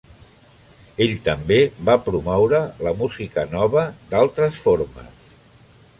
Ell també va promoure la música nova d'altres formes.